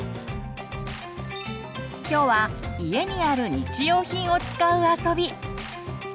今日は家にある日用品を使う遊び。